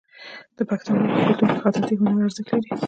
د پښتنو په کلتور کې د خطاطۍ هنر ارزښت لري.